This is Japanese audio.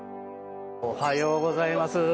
おはようございます。